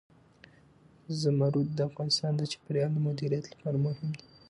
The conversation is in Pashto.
زمرد د افغانستان د چاپیریال د مدیریت لپاره مهم دي.